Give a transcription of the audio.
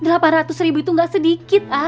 rp delapan ratus itu gak sedikit a